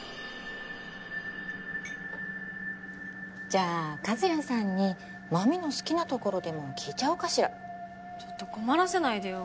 ⁉・じゃあ和也さんに麻美の好きなところでも聞いちゃおうかしらちょっと困らせないでよ